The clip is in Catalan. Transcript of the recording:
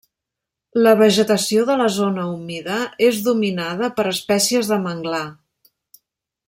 La vegetació de la zona humida és dominada per espècies de manglar.